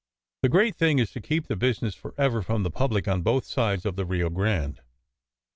Tne great SECRET HISTORY 147 thing is to keep the business forever from the public on both sides of the Rio Grande.